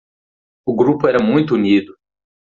O grupo era muito unido